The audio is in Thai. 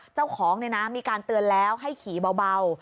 เจ้าของมีการเตือนแล้วให้ขี่เบา